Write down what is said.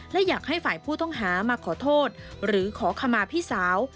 และอยากให้ฝ่ายผู้ต้องหามาขอโทษหรือขอขมาพี่สาว